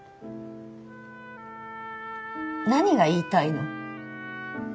何が言いたいの？